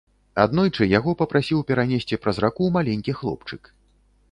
Аднойчы яго папрасіў перанесці праз раку маленькі хлопчык.